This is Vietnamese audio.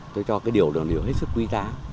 tôi cho cái điều đó điều hết sức quý giá